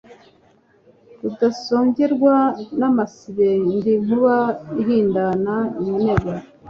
Rudasongerwa n' amasibe ndi inkuba ihindana iminega